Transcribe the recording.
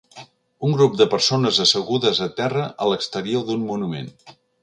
un grup de persones assegudes a terra a l'exterior d'un monument.